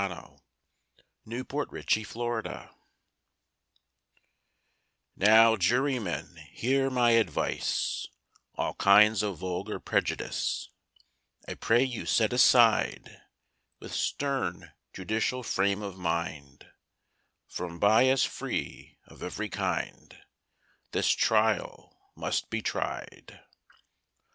Fal la! THE USHER'S CHARGE NOW, Jurymen, hear my advice— All kinds of vulgar prejudice I pray you set aside: With stern judicial frame of mind— From bias free of every kind, This trial must be tried!